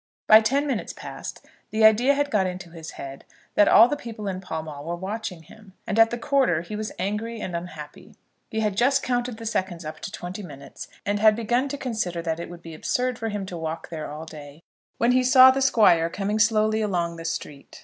By ten minutes past, the idea had got into his head that all the people in Pall Mall were watching him, and at the quarter he was angry and unhappy. He had just counted the seconds up to twenty minutes, and had begun to consider that it would be absurd for him to walk there all the day, when he saw the Squire coming slowly along the street.